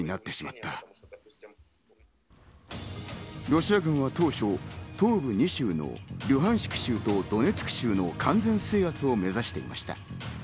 ロシア軍は当初、東部２州のルハンシク州とドネツク州の完全制圧を目指していました。